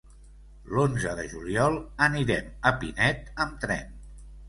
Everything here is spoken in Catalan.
L'onze de juliol anirem a Pinet amb tren.